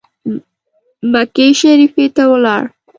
مکې شریفي ته ولاړ.